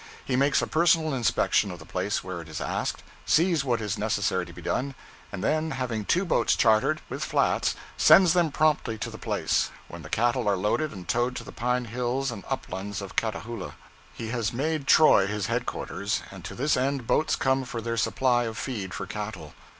He makes a personal inspection of the place where it is asked, sees what is necessary to be done, and then, having two boats chartered, with flats, sends them promptly to the place, when the cattle are loaded and towed to the pine hills and uplands of Catahoula. He has made Troy his headquarters, and to this point boats come for their supply of feed for cattle.